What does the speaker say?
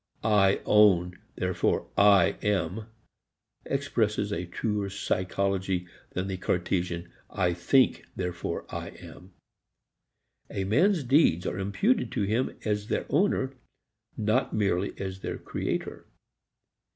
"I own, therefore I am" expresses a truer psychology than the Cartesian "I think, therefore I am." A man's deeds are imputed to him as their owner, not merely as their creator.